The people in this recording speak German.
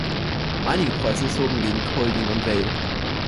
Einige Preußen zogen gegen Kolding und Vejle.